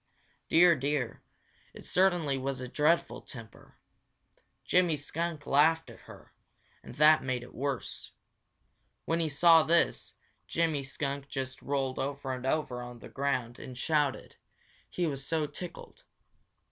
Dear, dear, it certainly was a dreadful temper! Jimmy Skunk laughed at her, and that made it worse. When he saw this, Jimmy Skunk just rolled over and over on the ground and shouted, he was so tickled.